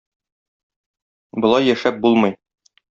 Болай яшәп булмый.